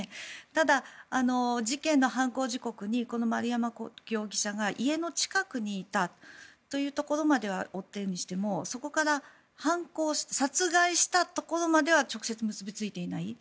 ただ、事件の犯行時刻にこの丸山容疑者が家の近くにいたというところまでは追っているにしてもそこから犯行殺害したところまでは直接結びついていない。